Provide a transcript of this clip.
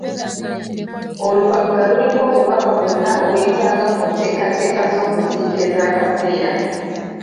Olupapula luliko obubaka bw'onna bwe weetaaga ku nteekateeka z'okuziika ez'akaseera.